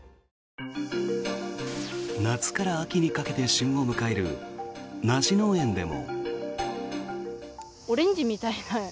夏から秋にかけて旬を迎える梨農園でも。